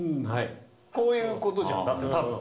こういう事じゃんだって多分。